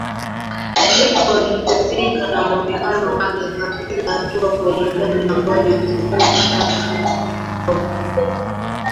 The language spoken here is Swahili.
Aliporidhika na mwonekano wake akapiga hatua kuelekea mlangoni akazima ta ana kutoka